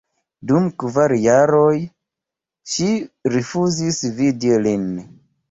Dum kvar jaroj ŝi rifuzis vidi lin.